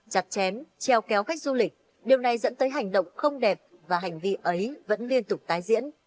chặt chém treo kéo khách du lịch điều này dẫn tới hành động không đẹp và hành vi ấy vẫn liên tục tái diễn